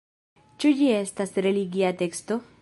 Ĉu ĝi estas religia teksto?